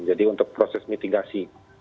jadi untuk proses mitigasi